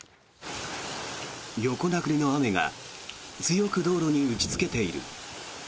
横殴りの雨が強く道路に打ちつけている。